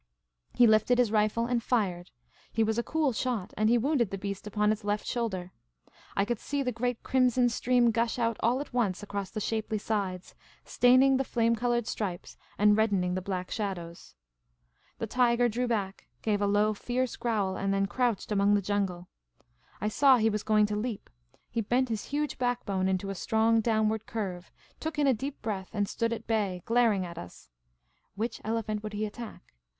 He lifted his rifle and fired. He was a cool shot, and he wounded the beast upon its left shoulder. I could see the great crimson stream gush out all at once across the shapely sides, staining the flame coloured stripes and reddening the black shadows. The tiger drew back, gave a low, fierce growl, and then crouched among the jungle. I saw he was going to leap ; he bent his huge backbone into a strong downward curve, took in a deep breath, and stood at bay, The Magnificent Maharajah 255 glaring at us. Which elephant would he attack